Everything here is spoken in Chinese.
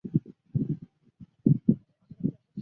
这天是不列颠空战的转折点。